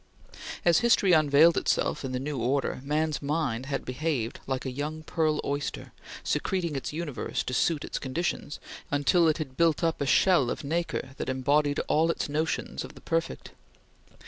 As history unveiled itself in the new order, man's mind had behaved like a young pearl oyster, secreting its universe to suit its conditions until it had built up a shell of nacre that embodied all its notions of the perfect.